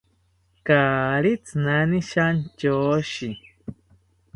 Kaari tzinani shantyoshi